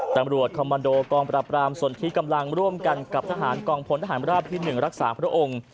ตำรวจคอมมันโดกองปราบรามส่วนที่กำลังร่วมกันกับทหารกองพลทหารราบที่๑รักษาพระองค์